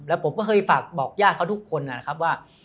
แล้วผมก็เคยฝากบอกญาติเขาทุกคนนะครับว่า